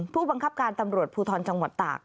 ผู้บังคับการตำรวจภูทรจังหวัดตาก